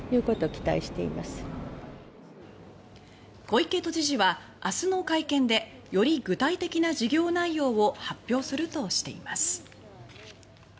小池都知事は明日の会見でより具体的な事業内容を発表するとしています。